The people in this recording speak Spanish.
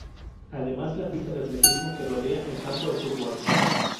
Además de pista de atletismo que rodea el campo de fútbol.